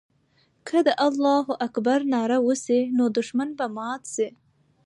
که د الله اکبر ناره وسي، نو دښمن به مات سي.